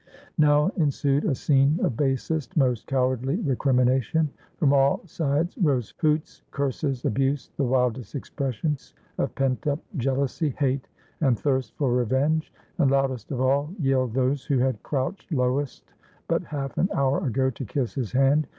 Now ensued a scene of basest, most cowardly recrim ination. From all sides rose hoots, curses, abuse, the wildest expressions of pent up jealousy, hate, and thirst for revenge; and loudest of all yelled those who had crouched lowest but half an hour ago to kiss his hand.